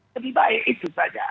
lebih baik itu saja